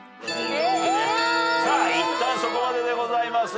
いったんそこまででございます。